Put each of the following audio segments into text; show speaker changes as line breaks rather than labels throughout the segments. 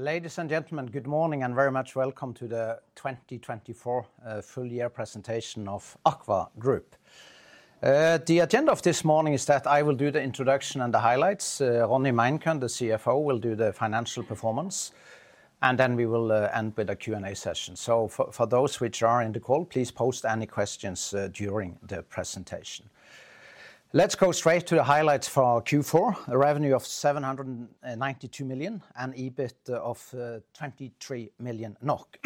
Ladies and gentlemen, good morning and very much welcome to the 2024 full year presentation of AKVA Group. The agenda of this morning is that I will do the introduction and the highlights. Ronny Meinkøhn, the CFO, will do the financial performance, and then we will end with a Q&A session. So for those which are in the call, please post any questions during the presentation. Let's go straight to the highlights for Q4: a revenue of 792 million and EBIT of 23 million NOK.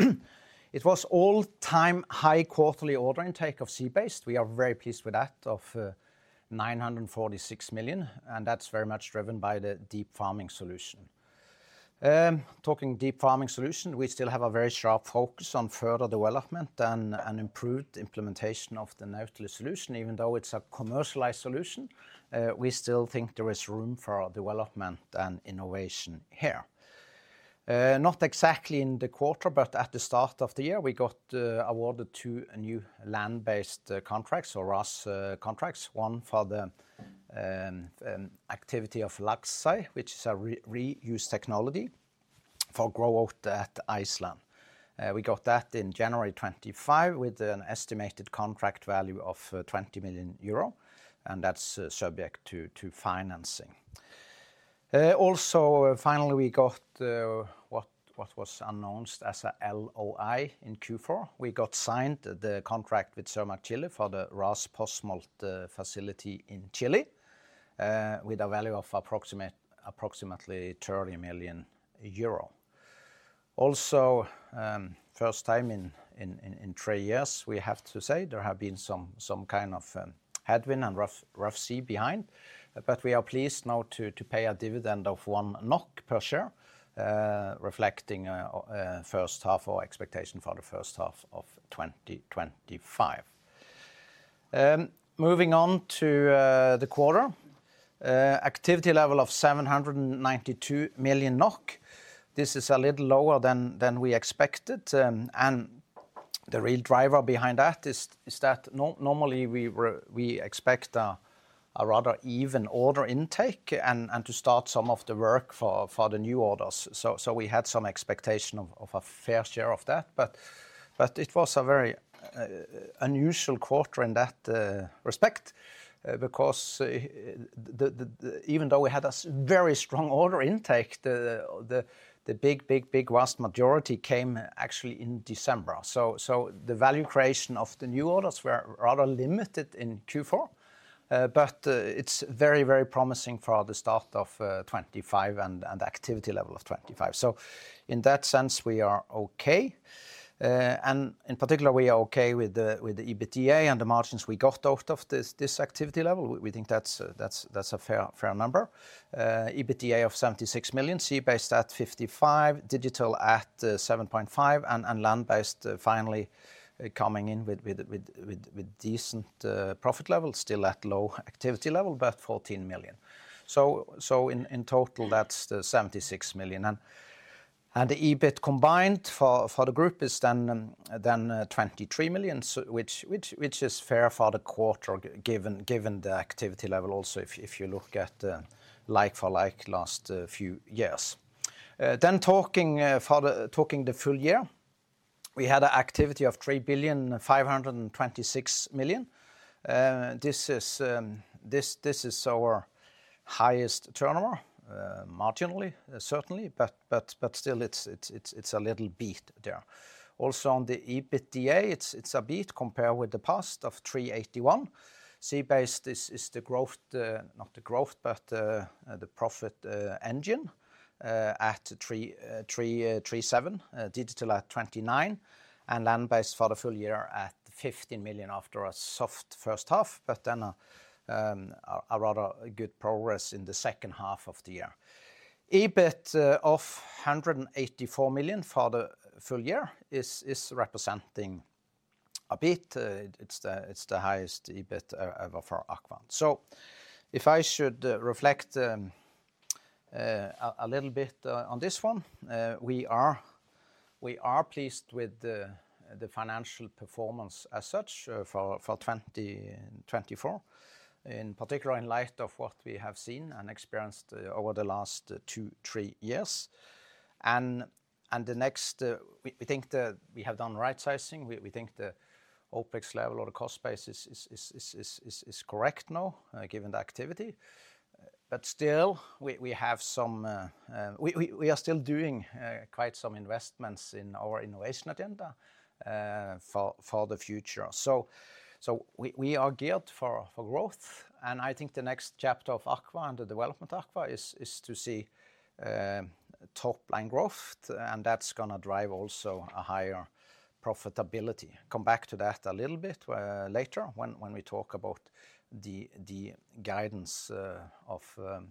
It was all-time high quarterly order intake of Sea Based. We are very pleased with that, of 946 million, and that's very much driven by the deep farming solution. Talking deep farming solution, we still have a very sharp focus on further development and improved implementation of the Nautilus solution. Even though it's a commercialized solution, we still think there is room for development and innovation here. Not exactly in the quarter, but at the start of the year, we got awarded two new Land Based contracts or RAS contracts. One for Laxey, which is a RAS technology for growth in Iceland. We got that in January 2025 with an estimated contract value of 20 million euro, and that's subject to financing. Also, finally, we got what was announced as an LOI in Q4. We got signed the contract with Cermaq Chile for the RAS post-smolt facility in Chile with a value of approximately EUR 30 million. Also, first time in three years, we have to say there have been some kind of headwind and rough sea behind, but we are pleased now to pay a dividend of 1 NOK per share, reflecting first half our expectation for the first half of 2025. Moving on to the quarter, activity level of 792 million NOK. This is a little lower than we expected, and the real driver behind that is that normally we expect a rather even order intake and to start some of the work for the new orders. So we had some expectation of a fair share of that, but it was a very unusual quarter in that respect because even though we had a very strong order intake, the big, big, big vast majority came actually in December. So the value creation of the new orders were rather limited in Q4, but it's very, very promising for the start of 2025 and the activity level of 2025. So in that sense, we are okay. And in particular, we are okay with the EBITDA and the margins we got out of this activity level. We think that's a fair number: EBITDA of 76 million, Sea Based at 55 million, digital at 7.5 million, and Land Based finally coming in with decent profit level, still at low activity level, but 14 million. So in total, that's 76 million. And the EBIT combined for the group is then 23 million, which is fair for the quarter given the activity level also if you look at like-for-like last few years. Then talking the full year, we had an activity of 3 billion 526 million. This is our highest turnover marginally, certainly, but still it's a little beat there. Also on the EBITDA, it's a beat compared with the past of 381 million. Sea Based is the growth, not the growth, but the profit engine at 37 million, digital at 29 million, and Land Based for the full year at 15 million after a soft first half, but then a rather good progress in the second half of the year. EBIT of 184 million for the full year is representing a beat. It's the highest EBIT ever for AKVA. So if I should reflect a little bit on this one, we are pleased with the financial performance as such for 2024, in particular in light of what we have seen and experienced over the last two, three years, and next we think that we have done right sizing. We think the OpEx level or the cost basis is correct now given the activity. But still, we have some, we are still doing quite some investments in our innovation agenda for the future. So we are geared for growth, and I think the next chapter of AKVA and the development of AKVA is to see top-line growth, and that's going to drive also a higher profitability. Come back to that a little bit later when we talk about the guidance of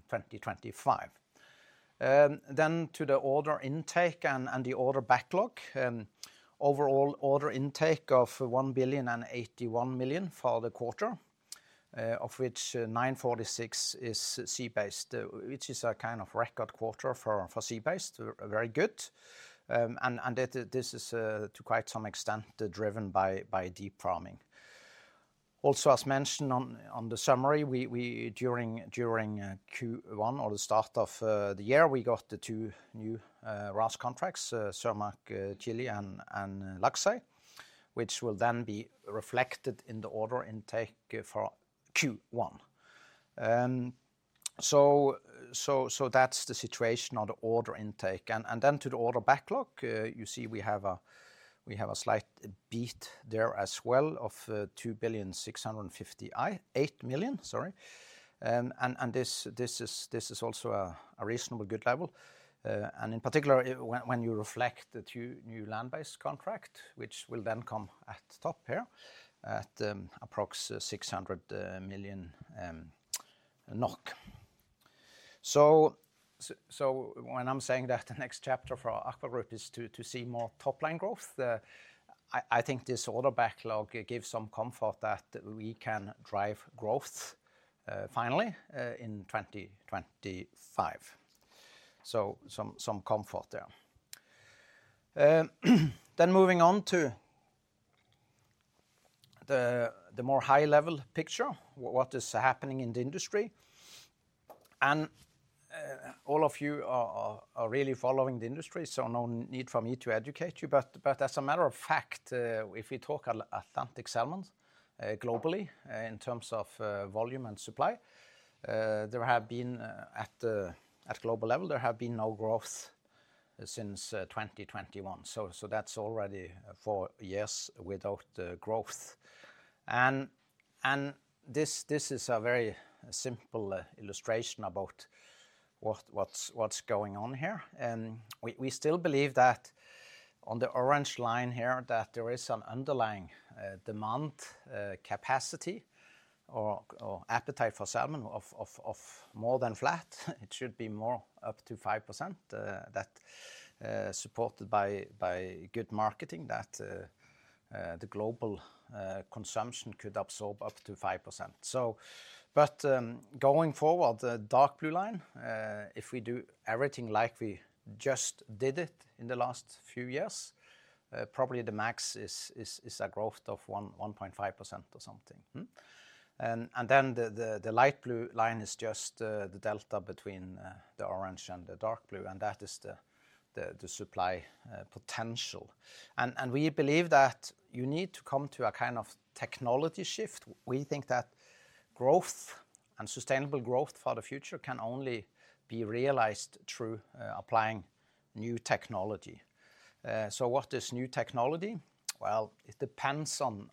2025. Then to the order intake and the order backlog. Overall order intake of 1 billion and 81 million for the quarter, of which 946 million is Sea Based, which is a kind of record quarter for Sea Based. Very good. And this is to quite some extent driven by deep farming. Also, as mentioned on the summary, during Q1 or the start of the year, we got the two new RAS contracts, Cermaq Chile and Laxey, which will then be reflected in the order intake for Q1. So that's the situation on the order intake. And then to the order backlog, you see we have a slight beat there as well of 2 billion 658 million. And this is also a reasonably good level. And in particular, when you reflect the two new Land Based contracts, which will then come at the top here at approximately 600 million NOK. So when I'm saying that the next chapter for AKVA Group is to see more top-line growth, I think this order backlog gives some comfort that we can drive growth finally in 2025. So some comfort there. Then moving on to the more high-level picture, what is happening in the industry. All of you are really following the industry, so no need for me to educate you. As a matter of fact, if we talk Atlantic salmon globally in terms of volume and supply, there have been at global level, there have been no growth since 2021. That's already four years without growth. This is a very simple illustration about what's going on here. We still believe that on the orange line here, that there is an underlying demand capacity or appetite for salmon of more than flat. It should be more up to 5% that supported by good marketing that the global consumption could absorb up to 5%. Going forward, the dark blue line, if we do everything like we just did it in the last few years, probably the max is a growth of 1.5% or something. The light blue line is just the delta between the orange and the dark blue, and that is the supply potential. We believe that you need to come to a kind of technology shift. We think that growth and sustainable growth for the future can only be realized through applying new technology. What is new technology? It depends on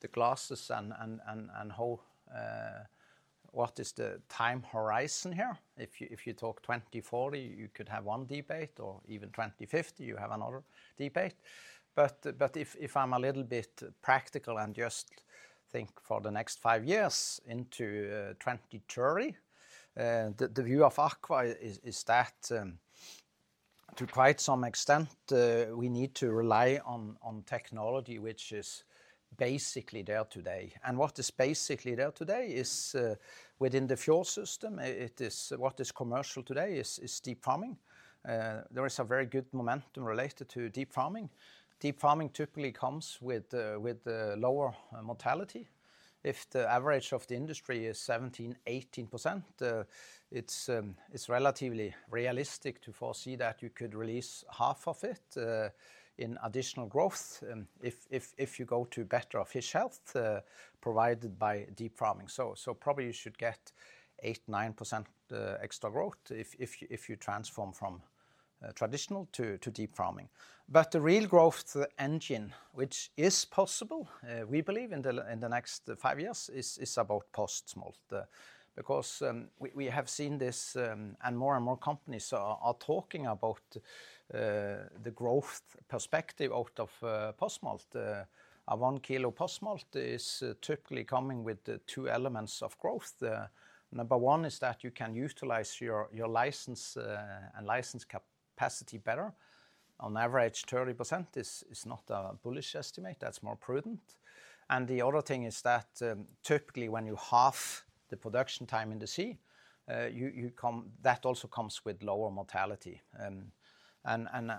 the species and what is the time horizon here. If you talk 2040, you could have one debate, or even 2050, you have another debate. If I'm a little bit practical and just think for the next five years into 2030, the view of AKVA is that to quite some extent, we need to rely on technology, which is basically there today. What is basically there today is within the pen system. What is commercial today is deep farming. There is a very good momentum related to deep farming. Deep farming typically comes with lower mortality. If the average of the industry is 17%-18%, it's relatively realistic to foresee that you could release half of it in additional growth if you go to better fish health provided by deep farming. So probably you should get 8%-9% extra growth if you transform from traditional to deep farming. But the real growth engine, which is possible, we believe in the next five years is about post-smolt because we have seen this and more and more companies are talking about the growth perspective out of post-smolt. One kilo post-smolt is typically coming with two elements of growth. Number one is that you can utilize your license and license capacity better. On average, 30% is not a bullish estimate. That's more prudent. And the other thing is that typically when you half the production time in the sea, that also comes with lower mortality. And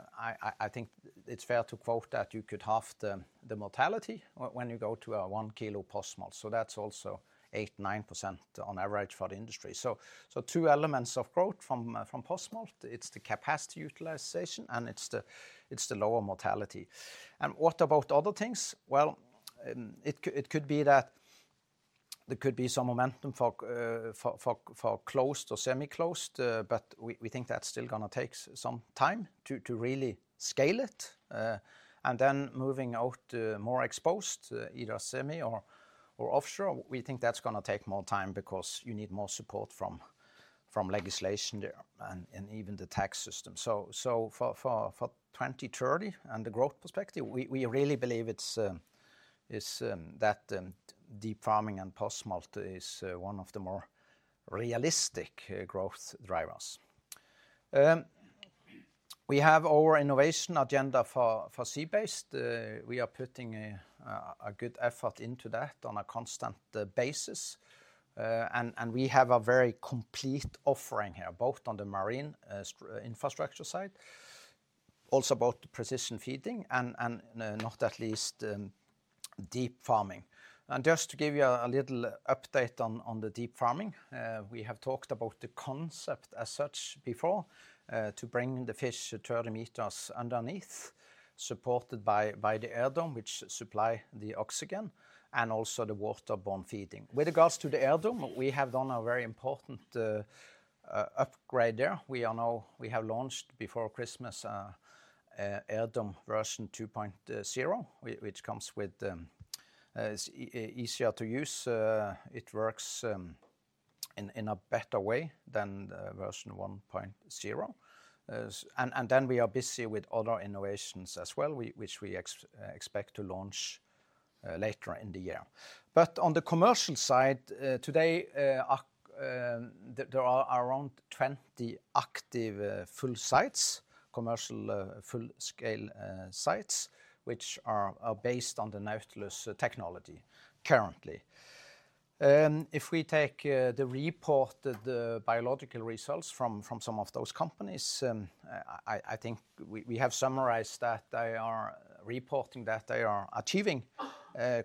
I think it's fair to quote that you could half the mortality when you go to a one kilo post-smolt. So that's also 8-9% on average for the industry. So two elements of growth from post-smolt, it's the capacity utilization and it's the lower mortality. And what about other things? Well, it could be that there could be some momentum for closed or semi-closed, but we think that's still going to take some time to really scale it. And then moving out more exposed, either semi or offshore, we think that's going to take more time because you need more support from legislation there and even the tax system. So for 2030 and the growth perspective, we really believe that deep farming and post-smolt is one of the more realistic growth drivers. We have our innovation agenda for Sea Based. We are putting a good effort into that on a constant basis. And we have a very complete offering here, both on the marine infrastructure side, also about precision feeding and not least deep farming. And just to give you a little update on the deep farming, we have talked about the concept as such before to bring the fish 30 meters underneath, supported by the air dome which supplies the oxygen and also the waterborne feeding. With regards to the air dome, we have done a very important upgrade there. We have launched before Christmas an air dome version 2.0, which comes with easier to use. It works in a better way than version 1.0. Then we are busy with other innovations as well, which we expect to launch later in the year. On the commercial side today, there are around 20 active full sites, commercial full-scale sites, which are based on the Nautilus technology currently. If we take the reported biological results from some of those companies, I think we have summarized that they are reporting that they are achieving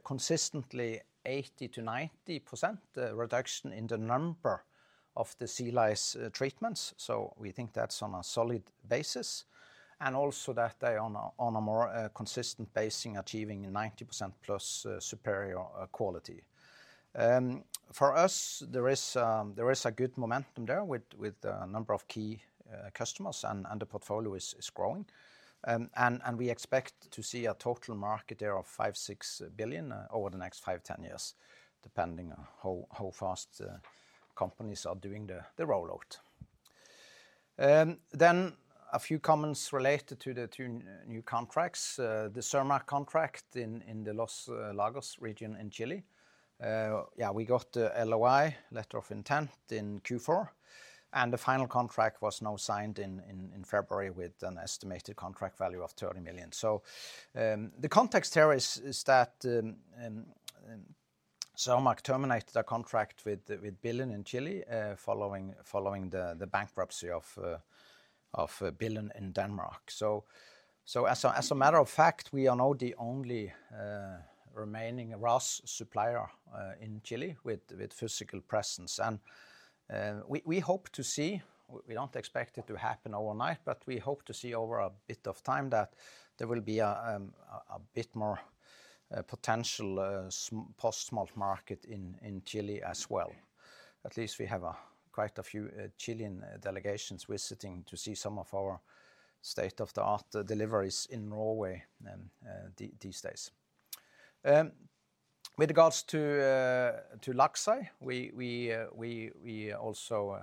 consistently 80%-90% reduction in the number of sea lice treatments. We think that's on a solid basis. Also, that they are on a more consistent basis achieving 90% plus superior quality. For us, there is a good momentum there with a number of key customers and the portfolio is growing. We expect to see a total market there of 5-6 billion over the next 5-10 years, depending on how fast companies are doing the rollout. A few comments related to the two new contracts. The Cermaq contract in the Los Lagos region in Chile. Yeah, we got the LOI, letter of intent, in Q4. The final contract was now signed in February with an estimated contract value of 30 million. So the context here is that Cermaq terminated a contract with Billund in Chile following the bankruptcy of Billund in Denmark. As a matter of fact, we are now the only remaining RAS supplier in Chile with physical presence. And we hope to see. We don't expect it to happen overnight, but we hope to see over a bit of time that there will be a bit more potential post-smolt market in Chile as well. At least we have quite a few Chilean delegations visiting to see some of our state-of-the-art deliveries in Norway these days. With regards to Laxey, we also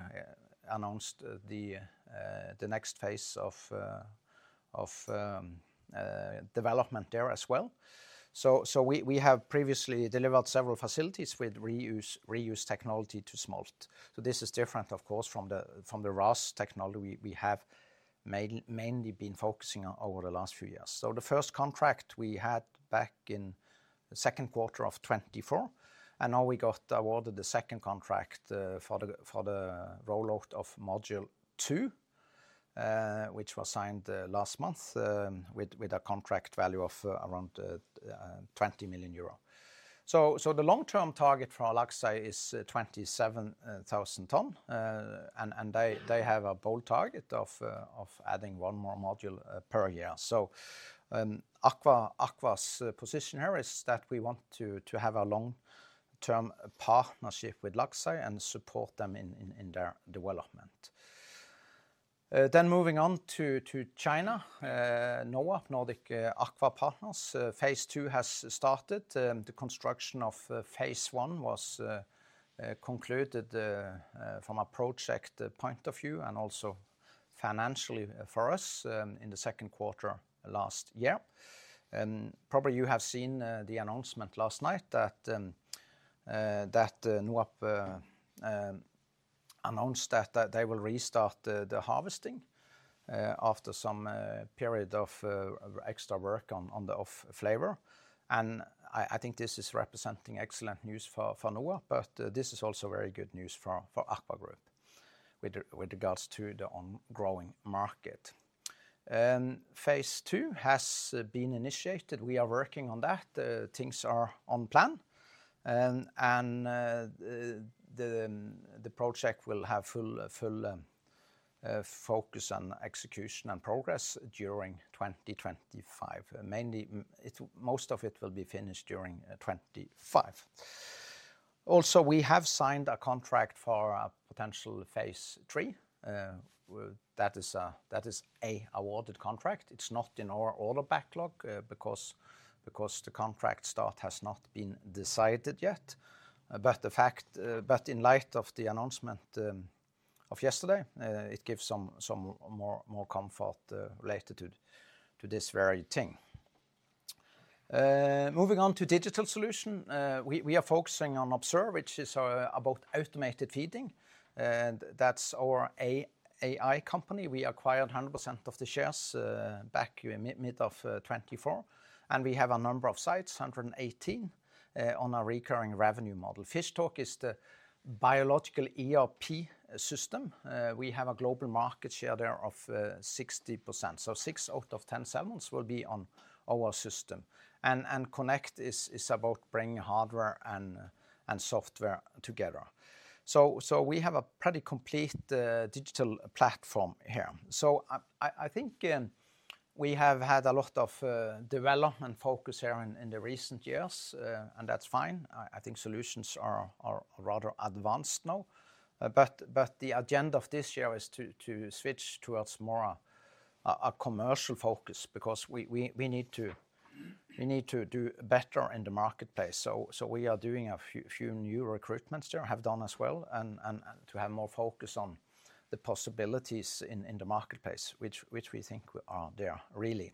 announced the next phase of development there as well. We have previously delivered several facilities with RAS technology to smolt. This is different, of course, from the RAS technology we have mainly been focusing on over the last few years. The first contract we had back in the second quarter of 2024, and now we got awarded the second contract for the rollout of module two, which was signed last month with a contract value of around 20 million euro. So the long-term target for Laxey is 27,000 tonnes. And they have a bold target of adding one more module per year. So AKVA's position here is that we want to have a long-term partnership with Laxey and support them in their development. Then moving on to China, NOAP, Nordic Aqua Partners, phase two has started. The construction of phase one was concluded from a project point of view and also financially for us in the second quarter last year. Probably you have seen the announcement last night that NOAP announced that they will restart the harvesting after some period of extra work on the off-flavor. And I think this is representing excellent news for NOAP, but this is also very good news for AKVA Group with regards to the ongoing market. Phase two has been initiated. We are working on that. Things are on plan. The project will have full focus and execution and progress during 2025. Most of it will be finished during 2025. Also, we have signed a contract for a potential phase three. That is an awarded contract. It's not in our order backlog because the contract start has not been decided yet. But in light of the announcement of yesterday, it gives some more comfort related to this very thing. Moving on to digital solution, we are focusing on Observe, which is about automated feeding. That's our AI company. We acquired 100% of the shares back in mid of 2024. We have a number of sites, 118 on our recurring revenue model. FishTalk is the biological ERP system. We have a global market share there of 60%. So six out of ten salmons will be on our system. Connect is about bringing hardware and software together. So we have a pretty complete digital platform here. So I think we have had a lot of development focus here in the recent years, and that's fine. I think solutions are rather advanced now. But the agenda of this year is to switch towards more a commercial focus because we need to do better in the marketplace. So we are doing a few new recruitments there, have done as well, to have more focus on the possibilities in the marketplace, which we think are there really.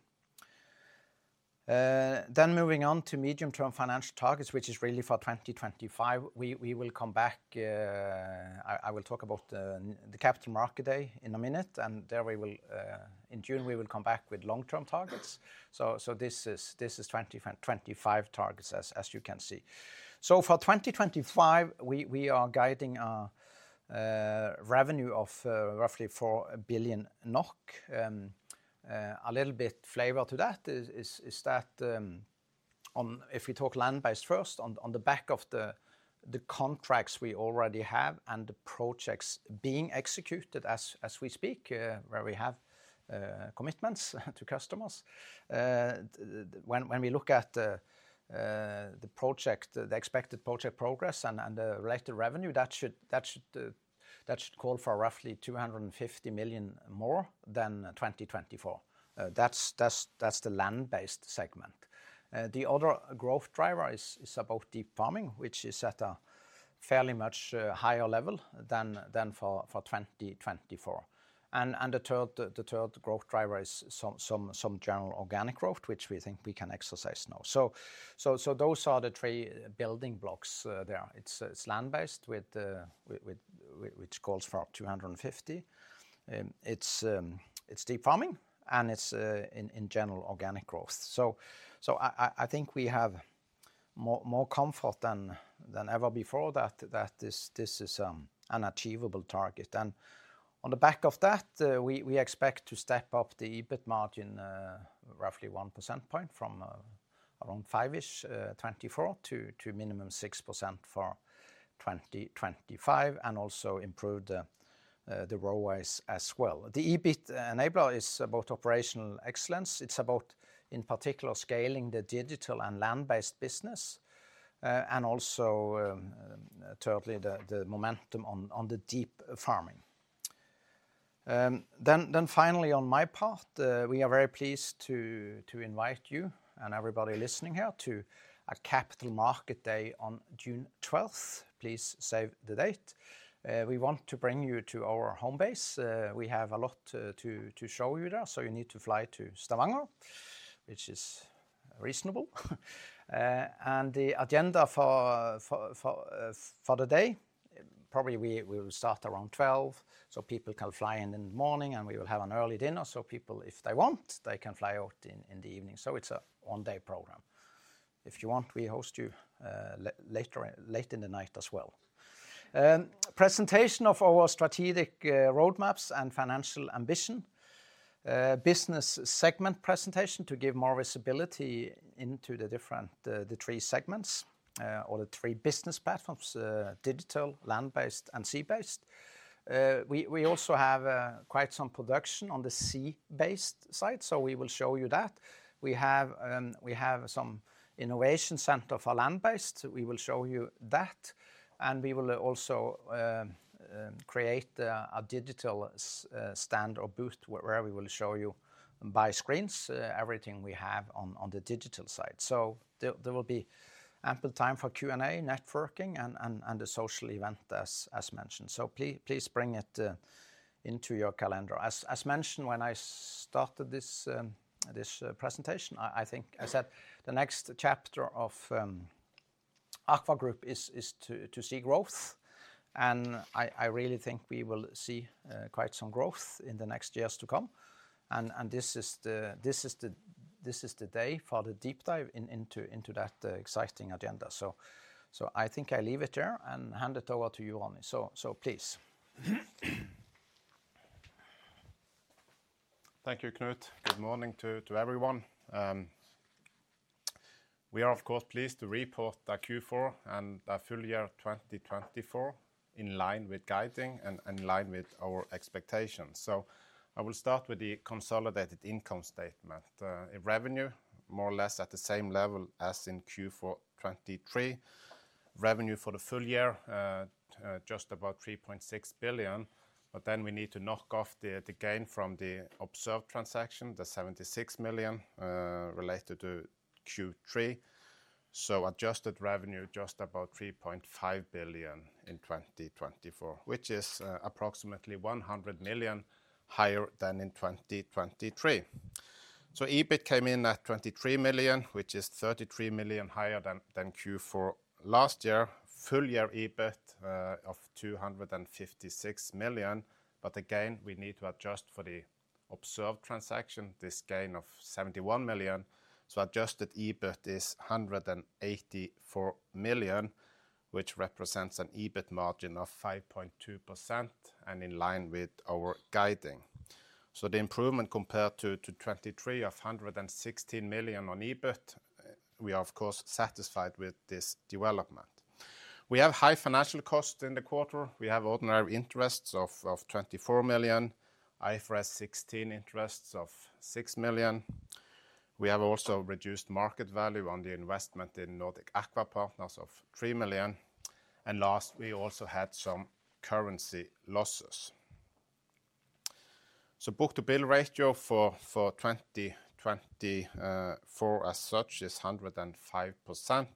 Then moving on to medium-term financial targets, which is really for 2025. We will come back. I will talk about the Capital Markets Day in a minute. And in June, we will come back with long-term targets. So this is 2025 targets, as you can see. So for 2025, we are guiding a revenue of roughly 4 billion NOK. A little bit flavor to that is that if we talk Land Based first, on the back of the contracts we already have and the projects being executed as we speak, where we have commitments to customers, when we look at the project, the expected project progress and the related revenue, that should call for roughly 250 million more than 2024. That's the Land Based segment. The other growth driver is about deep farming, which is at a fairly much higher level than for 2024, and the third growth driver is some general organic growth, which we think we can exercise now, so those are the three building blocks there. It's Land Based, which calls for 250. It's deep farming, and it's in general organic growth, so I think we have more comfort than ever before that this is an achievable target. And on the back of that, we expect to step up the EBIT margin roughly 1% point from around 5-ish 2024 to minimum 6% for 2025, and also improve the ROACE as well. The EBIT enabler is about operational excellence. It's about, in particular, scaling the digital and Land Based business, and also totally the momentum on the deep farming. Then finally, on my part, we are very pleased to invite you and everybody listening here to a Capital Markets Day on June 12th. Please save the date. We want to bring you to our home base. We have a lot to show you there, so you need to fly to Stavanger, which is reasonable. And the agenda for the day, probably we will start around 12:00 P.M., so people can fly in in the morning, and we will have an early dinner. People, if they want, they can fly out in the evening. So it's a one-day program. If you want, we host you late in the night as well. Presentation of our strategic roadmaps and financial ambition, business segment presentation to give more visibility into the different three segments or the three business platforms, digital, Land Based, and Sea Based. We also have quite some production on the Sea Based side, so we will show you that. We have some innovation center for Land Based. We will show you that. And we will also create a digital stand or booth where we will show you by screens everything we have on the digital side. So there will be ample time for Q&A, networking, and the social event, as mentioned. So please bring it into your calendar. As mentioned, when I started this presentation, I think I said the next chapter of AKVA Group is to see growth, and I really think we will see quite some growth in the next years to come, and this is the day for the deep dive into that exciting agenda. So I think I leave it there and hand it over to you, Ronny. So please.
Thank you, Knut. Good morning to everyone. We are, of course, pleased to report Q4 and the full year 2024 in line with guidance and in line with our expectations. So I will start with the consolidated income statement. Revenue, more or less at the same level as in Q4 2023. Revenue for the full year, just about 3.6 billion. But then we need to knock off the gain from the Observe transaction, the 76 million related to Q3. Adjusted revenue, just about 3.5 billion in 2024, which is approximately 100 million higher than in 2023. EBIT came in at 23 million, which is 33 million higher than Q4 last year. Full year EBIT of 256 million. But again, we need to adjust for the Observe transaction, this gain of 71 million. Adjusted EBIT is 184 million, which represents an EBIT margin of 5.2% and in line with our guidance. The improvement compared to 2023 of 116 million on EBIT, we are, of course, satisfied with this development. We have high financial costs in the quarter. We have ordinary interests of 24 million, IFRS 16 interests of 6 million. We have also reduced market value on the investment in Nordic Aqua Partners of 3 million. And last, we also had some currency losses. Book-to-bill ratio for 2024 as such is 105%.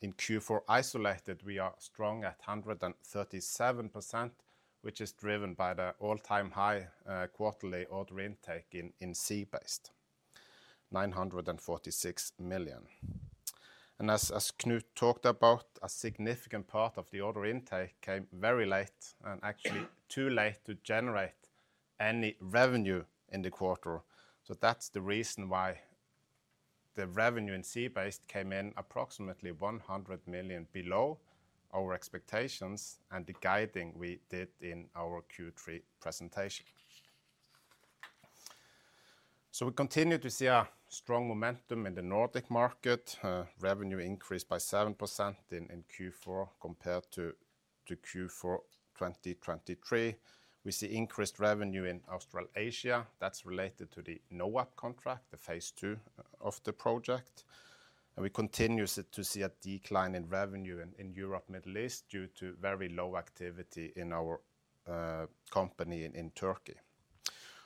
In Q4, isolated, we are strong at 137%, which is driven by the all-time high quarterly order intake in Sea Based, 946 million, and as Knut talked about, a significant part of the order intake came very late and actually too late to generate any revenue in the quarter, so that's the reason why the revenue in Sea Based came in approximately 100 million below our expectations and the guiding we did in our Q3 presentation, so we continue to see a strong momentum in the Nordic market. Revenue increased by 7% in Q4 compared to Q4 2023. We see increased revenue in Australasia. That's related to the NOAP contract, the phase two of the project, and we continue to see a decline in revenue in Europe, Middle East due to very low activity in our company in Turkey,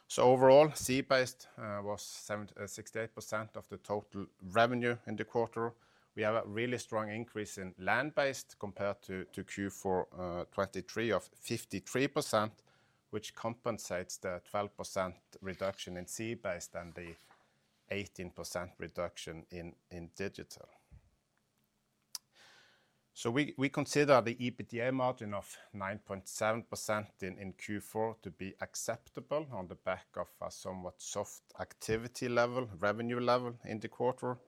so overall, Sea Based was 68% of the total revenue in the quarter. We have a really strong increase in Land Based compared to Q4 2023 of 53%, which compensates the 12% reduction in Sea Based and the 18% reduction in digital. So we consider the EBITDA margin of 9.7% in Q4 to be acceptable on the back of a somewhat soft activity level, revenue level in the quarter.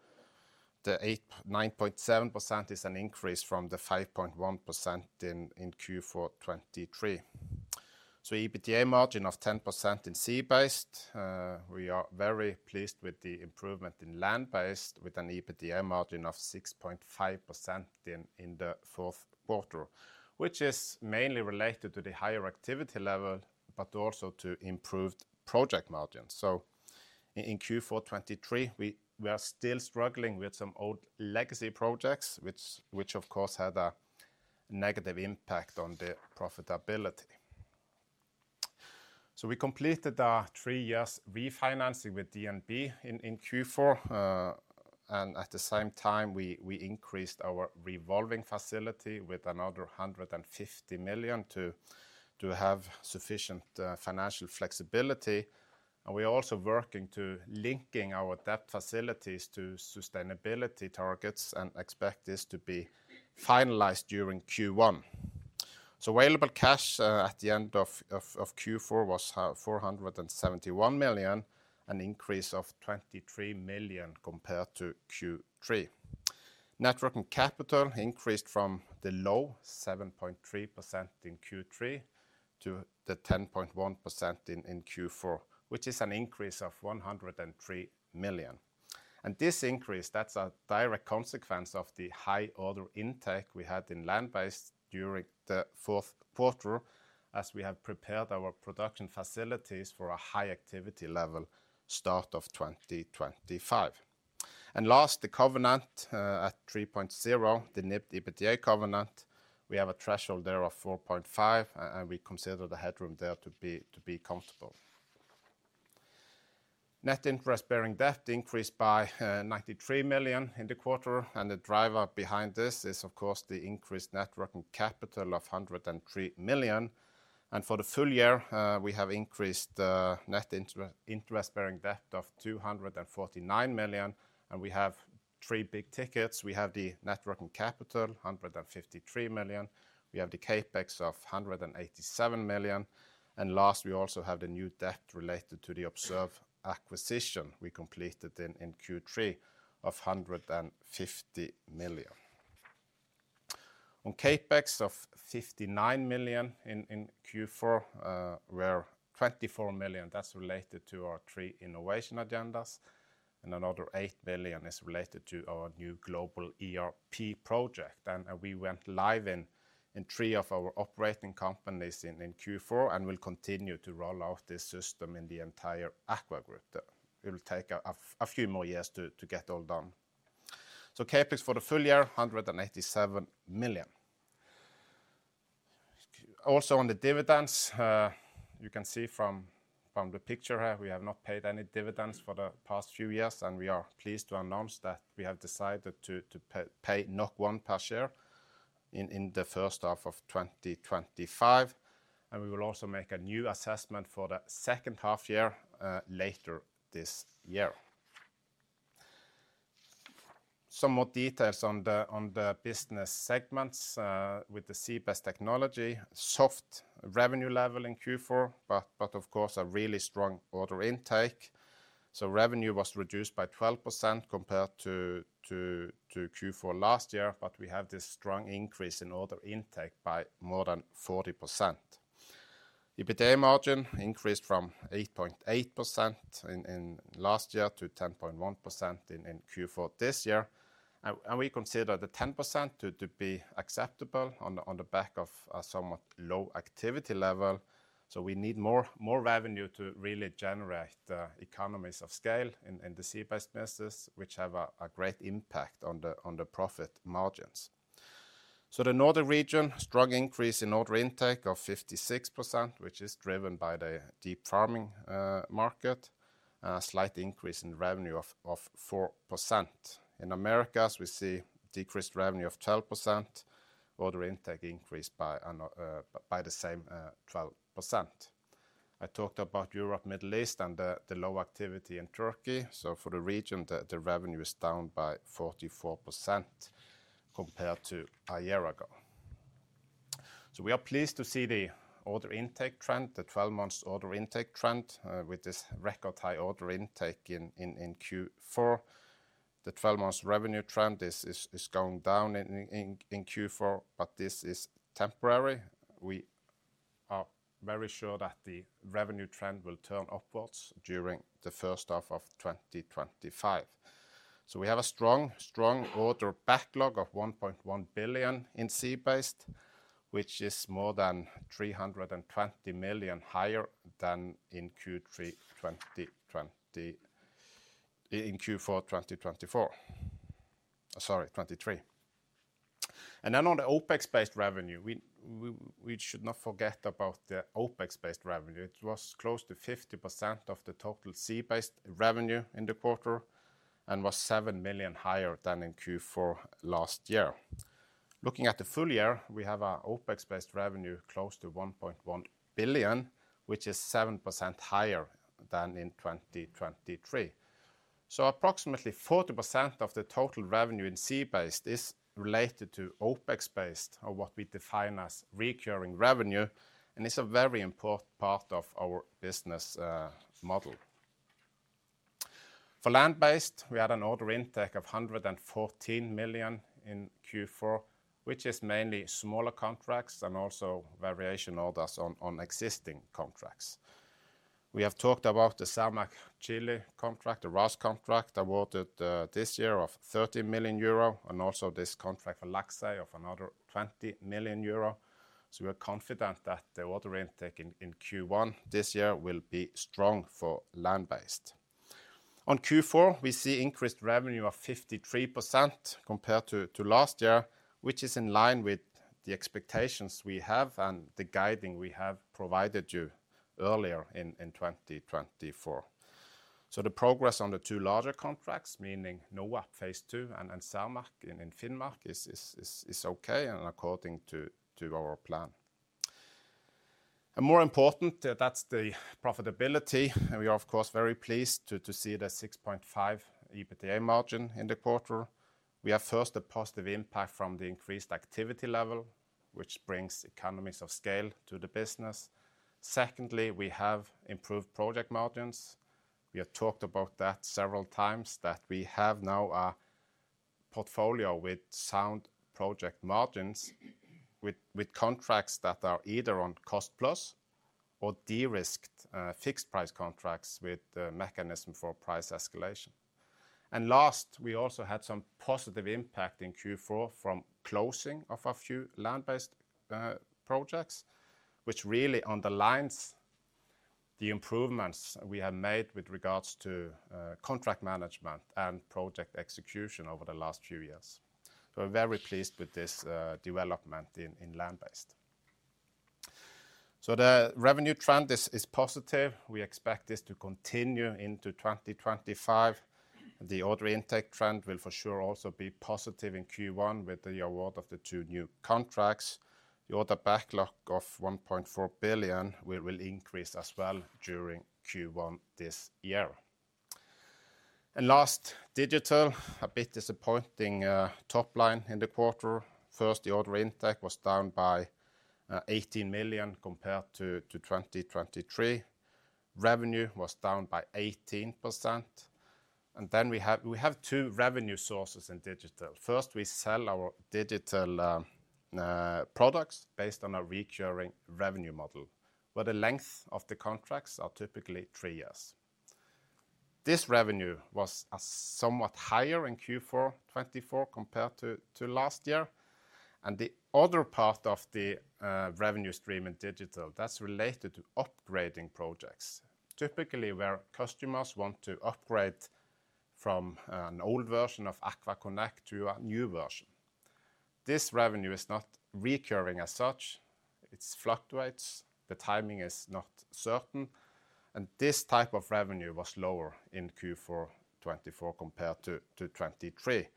The 9.7% is an increase from the 5.1% in Q4 2023. So EBITDA margin of 10% in Sea Based. We are very pleased with the improvement in Land Based with an EBITDA margin of 6.5% in the fourth quarter, which is mainly related to the higher activity level, but also to improved project margins. So in Q4 2023, we are still struggling with some old legacy projects, which of course had a negative impact on the profitability. So we completed our three years refinancing with DNB in Q4. At the same time, we increased our revolving facility with another 150 million to have sufficient financial flexibility. We are also working to link our debt facilities to sustainability targets and expect this to be finalized during Q1. Available cash at the end of Q4 was 471 million, an increase of 23 million compared to Q3. Net working capital increased from the low 7.3% in Q3 to the 10.1% in Q4, which is an increase of 103 million. This increase, that's a direct consequence of the high order intake we had in Land Based during the fourth quarter as we have prepared our production facilities for a high activity level start of 2025. Last, the covenant at 3.0, the NIBD EBITDA covenant, we have a threshold there of 4.5, and we consider the headroom there to be comfortable. Net interest-bearing debt increased by 93 million in the quarter. And the driver behind this is, of course, the increased working capital of 103 million. And for the full year, we have increased net interest-bearing debt of 249 million. And we have three big tickets. We have the working capital, 153 million. We have the CapEx of 187 million. And last, we also have the new debt related to the Observe acquisition we completed in Q3 of 150 million. On CapEx of 59 million in Q4, we're 24 million. That's related to our three innovation agendas. And another 8 million is related to our new global ERP project. And we went live in three of our operating companies in Q4 and will continue to roll out this system in the entire AKVA Group. It will take a few more years to get all done. CapEx for the full year, 187 million. Also on the dividends, you can see from the picture here, we have not paid any dividends for the past few years. We are pleased to announce that we have decided to pay 1 per share in the first half of 2025. We will also make a new assessment for the second half year later this year. Some more details on the business segments with the Sea Based Technology, soft revenue level in Q4, but of course, a really strong order intake. Revenue was reduced by 12% compared to Q4 last year, but we have this strong increase in order intake by more than 40%. EBITDA margin increased from 8.8% in last year to 10.1% in Q4 this year. We consider the 10% to be acceptable on the back of a somewhat low activity level. So we need more revenue to really generate economies of scale in the Sea Based businesses, which have a great impact on the profit margins. So the northern region, strong increase in order intake of 56%, which is driven by the deep farming market, slight increase in revenue of 4%. In Americas, as we see decreased revenue of 12%, order intake increased by the same 12%. I talked about Europe, Middle East, and the low activity in Turkey. So for the region, the revenue is down by 44% compared to a year ago. So we are pleased to see the order intake trend, the 12-month order intake trend with this record high order intake in Q4. The 12-month revenue trend is going down in Q4, but this is temporary. We are very sure that the revenue trend will turn upwards during the first half of 2025. We have a strong order backlog of 1.1 billion in Sea Based, which is more than 320 million higher than in Q4 2024, sorry, 2023. On the OpEx-based revenue, we should not forget about the OpEx-based revenue. It was close to 50% of the total Sea Based revenue in the quarter and was 7 million higher than in Q4 last year. Looking at the full year, we have an OpEx-based revenue close to 1.1 billion, which is 7% higher than in 2023. Approximately 40% of the total revenue in Sea Based is related to OpEx-based or what we define as recurring revenue. It's a very important part of our business model. For Land Based, we had an order intake of 114 million in Q4, which is mainly smaller contracts and also variation orders on existing contracts. We have talked about the Cermaq Chile contract, the RAS contract awarded this year of 30 million euro and also this contract for Laxey of another 20 million euro. We're confident that the order intake in Q1 this year will be strong for land-based. On Q4, we see increased revenue of 53% compared to last year, which is in line with the expectations we have and the guiding we have provided you earlier in 2024. The progress on the two larger contracts, meaning NOAP Phase 2 and Cermaq in Finnmark, is okay and according to our plan. More important, that's the profitability. We are, of course, very pleased to see the 6.5% EBITDA margin in the quarter. We have first a positive impact from the increased activity level, which brings economies of scale to the business. Secondly, we have improved project margins. We have talked about that several times, that we have now a portfolio with sound project margins with contracts that are either on cost plus or derisked fixed price contracts with the mechanism for price escalation. Last, we also had some positive impact in Q4 from closing of a few Land Based projects, which really underlines the improvements we have made with regards to contract management and project execution over the last few years. We're very pleased with this development in Land Based. The revenue trend is positive. We expect this to continue into 2025. The order intake trend will for sure also be positive in Q1 with the award of the two new contracts. The order backlog of 1.4 billion will increase as well during Q1 this year. Last, digital, a bit disappointing top line in the quarter. First, the order intake was down by 18 million compared to 2023. Revenue was down by 18%. And then we have two revenue sources in digital. First, we sell our digital products based on a recurring revenue model, where the length of the contracts are typically three years. This revenue was somewhat higher in Q4 2024 compared to last year. And the other part of the revenue stream in digital, that's related to upgrading projects, typically where customers want to upgrade from an old version of AKVA Connect to a new version. This revenue is not recurring as such. It fluctuates. The timing is not certain. And this type of revenue was lower in Q4 2024 compared to 2023.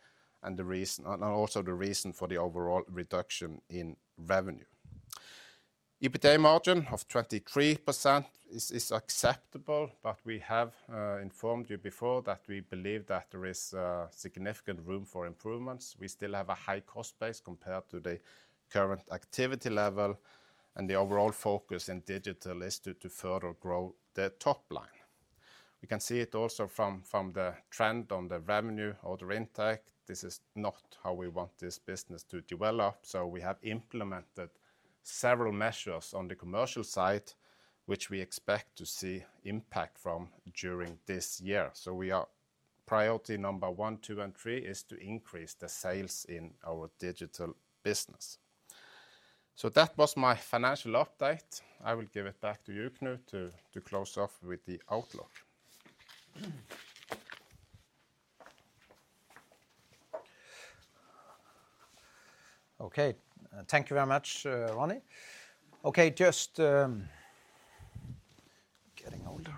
And also the reason for the overall reduction in revenue. EBITDA margin of 23% is acceptable, but we have informed you before that we believe that there is significant room for improvements. We still have a high cost base compared to the current activity level. And the overall focus in digital is to further grow the top line. We can see it also from the trend on the revenue order intake. This is not how we want this business to develop. So we have implemented several measures on the commercial side, which we expect to see impact from during this year. So we are priority number one, two, and three is to increase the sales in our digital business. So that was my financial update. I will give it back to you, Knut, to close off with the outlook.
Okay, thank you very much, Ronny. Okay, just getting older.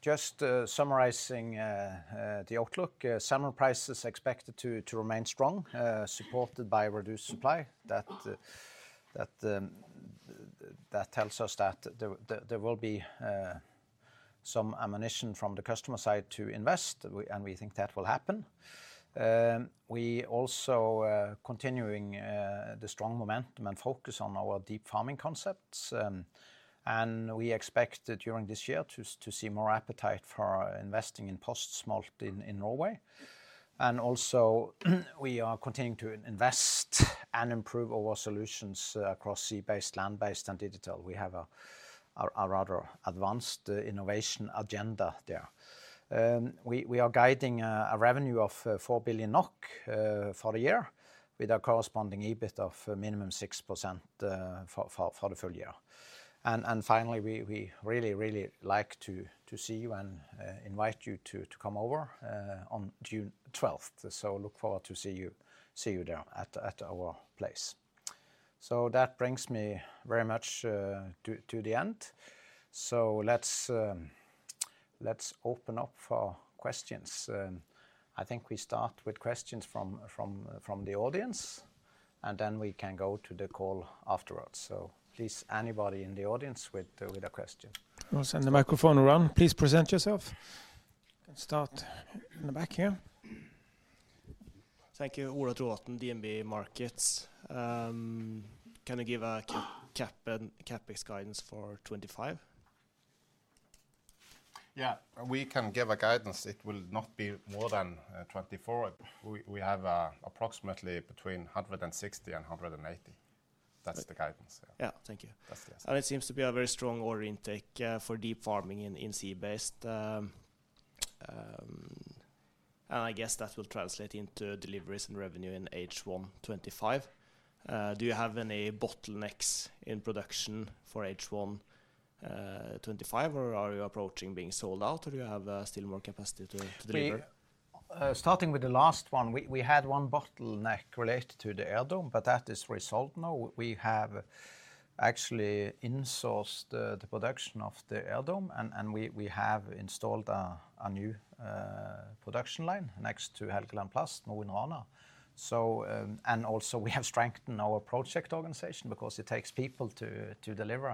Just summarizing the outlook, summer prices expected to remain strong, supported by reduced supply. That tells us that there will be some ammunition from the customer side to invest, and we think that will happen. We also continuing the strong momentum and focus on our deep farming concepts. And we expect during this year to see more appetite for investing in post-smolt in Norway. And also we are continuing to invest and improve our solutions across Sea Based, Land Based, and digital. We have a rather advanced innovation agenda there. We are guiding a revenue of 4 billion NOK for the year with a corresponding EBIT of minimum 6% for the full year. And finally, we really, really like to see you and invite you to come over on June 12th. So look forward to see you there at our place. So that brings me very much to the end. So let's open up for questions. I think we start with questions from the audience, and then we can go to the call afterwards. So please, anybody in the audience with a question. I'll send the microphone around. Please present yourself. You can start in the back here. Thank you. Ola Trovatn, DNB Markets. Can you give a CapEx guidance for 2025? Yeah, we can give a guidance. It will not be more than 2024. We have approximately between 160 and 180. That's the guidance. Yeah, thank you. And it seems to be a very strong order intake for deep farming in Sea Based. And I guess that will translate into deliveries and revenue in H1 2025. Do you have any bottlenecks in production for H1 2025, or are you approaching being sold out, or do you have still more capacity to deliver? Starting with the last one, we had one bottleneck related to the air dome, but that is resolved now. We have actually insourced the production of the air dome, and we have installed a new production line next to Helgeland Plast, Mo i Rana, and also we have strengthened our project organization because it takes people to deliver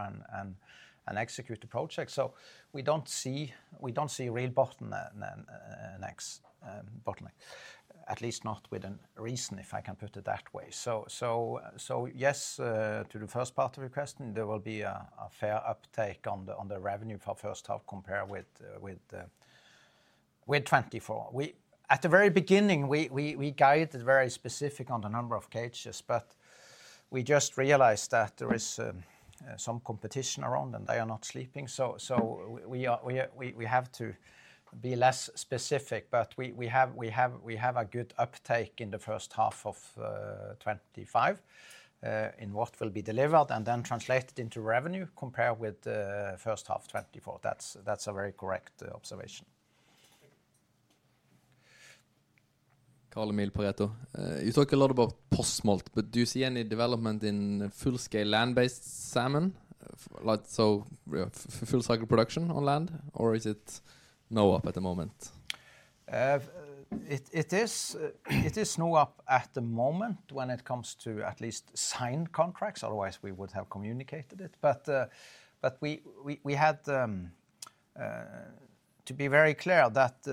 and execute the project. We don't see a real bottleneck, at least not within reason, if I can put it that way. Yes, to the first part of your question, there will be a fair uptake on the revenue for first half compared with 2024. At the very beginning, we guided very specific on the number of cages, but we just realized that there is some competition around and they are not sleeping. So we have to be less specific, but we have a good uptake in the first half of 2025 in what will be delivered and then translated into revenue compared with the first half of 2024. That's a very correct observation. Karl-Emil Pareto. You talk a lot about post-smolt. But do you see any development in full-scale Land Based salmon? So full-cycle production on land? Or is it NOAP at the moment? It is NOAP at the moment when it comes to at least signed contracts. Otherwise, we would have communicated it. But we had, to be very clear, that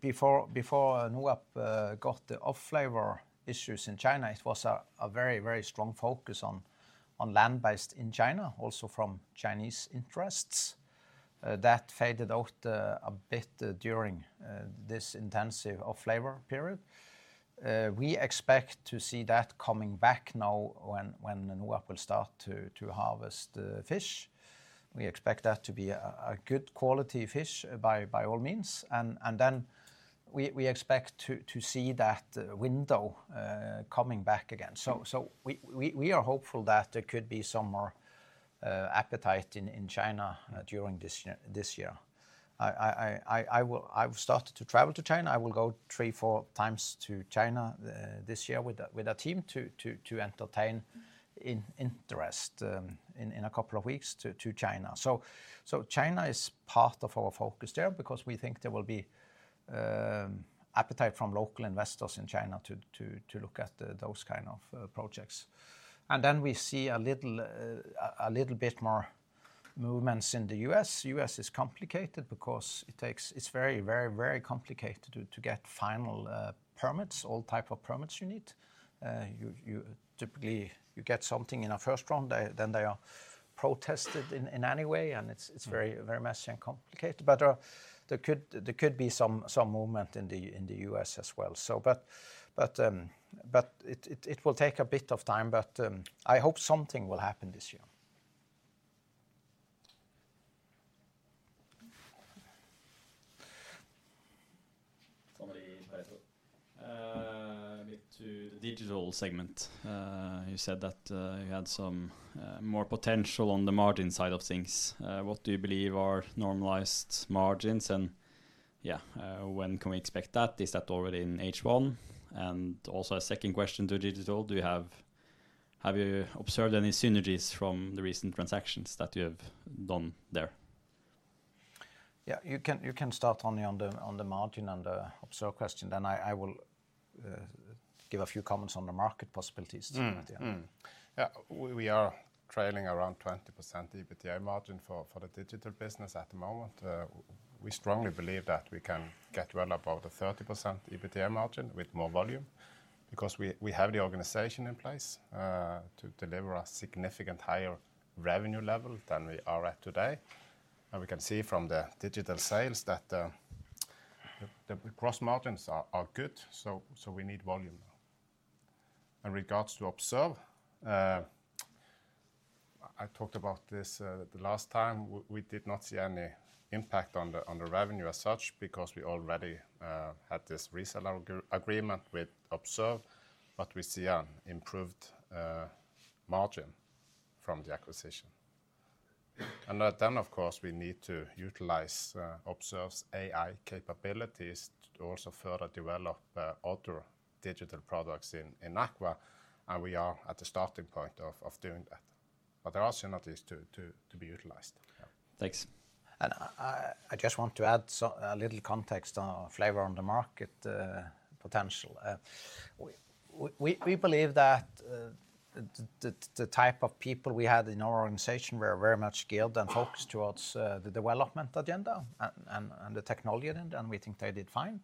before NOAP got the off-flavor issues in China, it was a very, very strong focus on Land Based in China, also from Chinese interests. That faded out a bit during this intensive off-flavor period. We expect to see that coming back now when NOAP will start to harvest fish. We expect that to be a good quality fish by all means. And then we expect to see that window coming back again. So we are hopeful that there could be some more appetite in China during this year. I've started to travel to China. I will go three, four times to China this year with a team to entertain interest in a couple of weeks to China. So China is part of our focus there because we think there will be appetite from local investors in China to look at those kinds of projects. And then we see a little bit more movements in the U.S. The U.S. is complicated because it's very, very, very complicated to get final permits, all types of permits you need. Typically, you get something in a first round, then they are protested in any way, and it's very messy and complicated. But there could be some movement in the U.S. as well. But it will take a bit of time, but I hope something will happen this year. Somebody in Pareto? To the digital segment, you said that you had some more potential on the margin side of things. What do you believe are normalized margins? And yeah, when can we expect that? Is that already in H1? And also a second question to digital, do you have observed any synergies from the recent transactions that you have done there? Yeah, you can start only on the margin and the Observe question. Then I will give a few comments on the market possibilities.
Yeah, we are trailing around 20% EBITDA margin for the digital business at the moment. We strongly believe that we can get well above the 30% EBITDA margin with more volume because we have the organization in place to deliver a significant higher revenue level than we are at today, and we can see from the digital sales that the cross margins are good, so we need volume now. In regards to Observe, I talked about this the last time. We did not see any impact on the revenue as such because we already had this resale agreement with Observe, but we see an improved margin from the acquisition, and then, of course, we need to utilize Observe's AI capabilities to also further develop other digital products in AKVA, and we are at the starting point of doing that, but there are synergies to be utilized. Thanks.
And I just want to add a little context on off-flavor on the market potential. We believe that the type of people we had in our organization were very much geared and focused towards the development agenda and the technology agenda, and we think they did fine.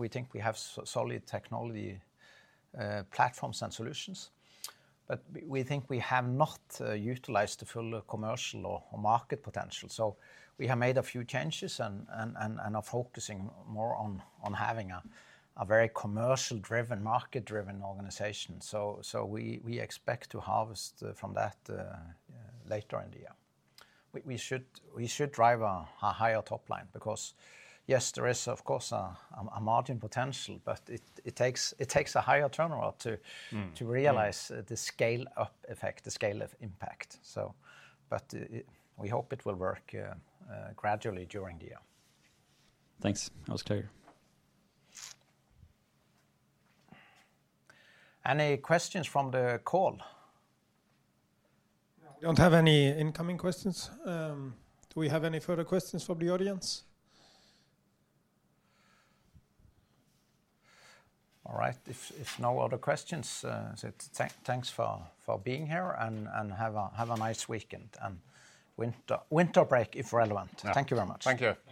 We think we have solid technology platforms and solutions, but we think we have not utilized the full commercial or market potential. So we have made a few changes and are focusing more on having a very commercial-driven, market-driven organization. So we expect to harvest from that later in the year. We should drive a higher top line because, yes, there is, of course, a margin potential, but it takes a higher turnaround to realize the scale-up effect, the scale-up impact. But we hope it will work gradually during the year. Thanks. That was clear. Any questions from the call?
We don't have any incoming questions. Do we have any further questions from the audience?
All right. If no other questions, thanks for being here, and have a nice weekend and winter break if relevant. Thank you very much.
Thank you.